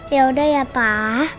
yaudah ya pak